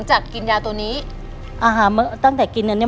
อาหารตั้งแต่กินเนี่ย